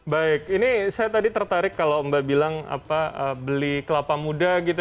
baik ini saya tadi tertarik kalau mbak bilang apa beli kelapa muda gitu